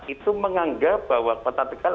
itu menganggap bahwa kota tegal